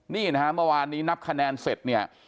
นี่นะฮะเมื่อวานนี้นับคะแนนเสร็จเนี่ย